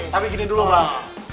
tapi gini dulu pak